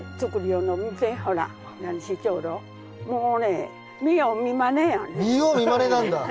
もうね見よう見まねなんだ。